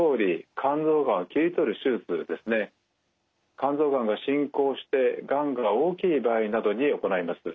肝臓がんが進行してがんが大きい場合などに行います。